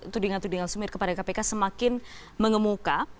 tudingan tudingan sumir kepada kpk semakin mengemuka